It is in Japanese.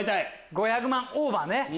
５００万オーバーね。